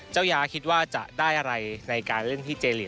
ยาคิดว่าจะได้อะไรในการเล่นที่เจลีก